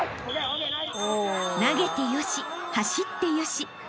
［投げてよし走ってよし］